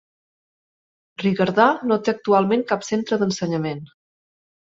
Rigardà no té actualment cap centre d'ensenyament.